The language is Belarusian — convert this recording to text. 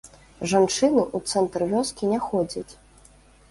Жанчыны ў цэнтр вёскі не ходзяць.